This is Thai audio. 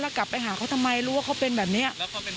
แล้วกลับไปหาเขาทำไมรู้ว่าเขาเป็นแบบนี้